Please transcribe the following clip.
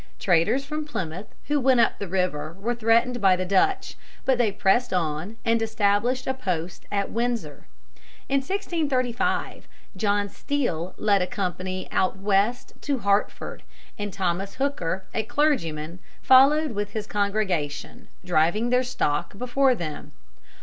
Traders from Plymouth who went up the river were threatened by the Dutch, but they pressed on and established a post at Windsor. In 1635, John Steele led a company "out west" to Hartford, and Thomas Hooker, a clergyman, followed with his congregation, driving their stock before them.